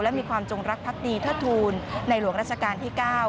และมีความจงรักพักดีเทิดทูลในหลวงราชการที่๙